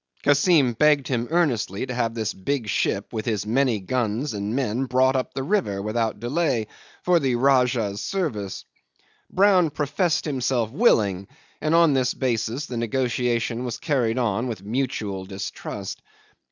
Kassim begged him earnestly to have this big ship with his many guns and men brought up the river without delay for the Rajah's service. Brown professed himself willing, and on this basis the negotiation was carried on with mutual distrust.